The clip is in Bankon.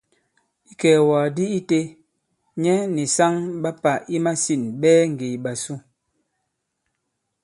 Ikɛ̀ɛ̀wàgàdi itē, nyɛ nì saŋ ɓa pà i masîn ɓɛɛ ŋgè ìɓàsu.